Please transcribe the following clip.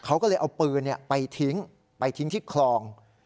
เขาก็เลยเอาปืนไปทิ้งไปทิ้งที่คลอง